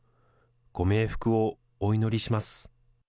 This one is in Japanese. ご冥福をお祈りします。